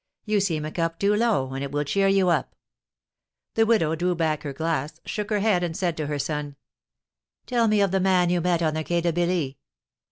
You seem a cup too low, and it will cheer you up." The widow drew back her glass, shook her head, and said to her son: "Tell me of the man you met on the Quai de Billy."